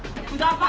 apa oke tugas